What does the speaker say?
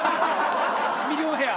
ミリオンヘアー？